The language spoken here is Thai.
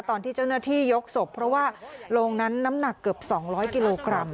ตอนที่เจ้าหน้าที่ยกศพเพราะว่าโรงนั้นน้ำหนักเกือบ๒๐๐กิโลกรัม